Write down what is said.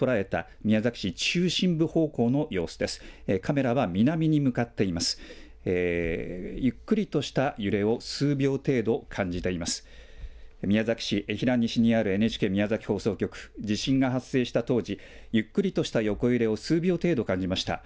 宮崎市江平西にあるＮＨＫ宮崎放送局、地震が発生した当時、ゆっくりとした横揺れを数秒程度、感じました。